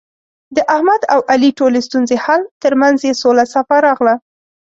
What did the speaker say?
د احمد او علي ټولې ستونزې حل، ترمنځ یې سوله صفا راغله.